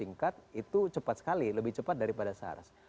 tingkat itu cepat sekali lebih cepat daripada sars